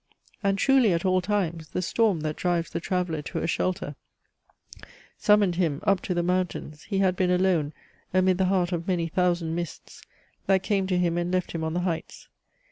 And truly, at all times, the storm, that drives The traveller to a shelter, summoned him Up to the mountains: he had been alone Amid the heart of many thousand mists, That came to him and left him on the heights.